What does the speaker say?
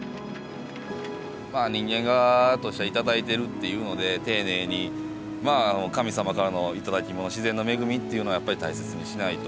まあ人間側としては頂いてるっていうので丁寧に神様からの頂き物自然の恵みっていうのはやっぱり大切にしないと。